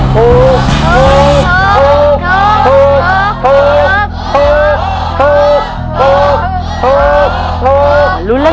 ถูถูถูถูตรบ